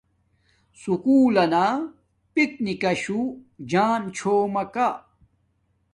سکُول لنو پیک نکاشو جام چھومکا